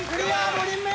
５人目！